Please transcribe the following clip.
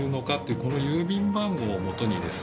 この郵便番号を基にですね